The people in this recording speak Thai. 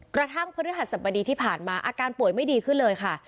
กระทั่งพฤหัสสบดีที่ผ่านมาอาการป่วยไม่ดีขึ้นเลยค่ะ